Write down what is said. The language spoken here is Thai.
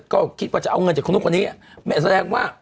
ก็แบบว่าอ้าวจริงแ